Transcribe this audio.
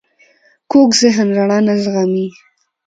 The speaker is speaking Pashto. کوږ ذهن رڼا نه زغمي